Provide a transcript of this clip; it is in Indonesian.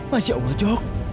masya allah jok